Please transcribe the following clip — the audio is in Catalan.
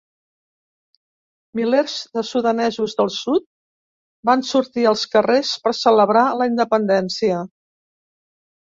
Milers de sudanesos del sud van sortir als carrers per celebrar la independència.